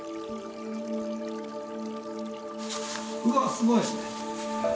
うわすごい！